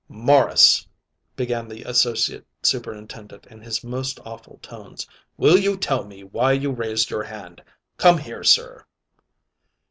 "Morris," began the Associate Superintendent in his most awful tones, "will you tell me why you raised your hand? Come here, sir."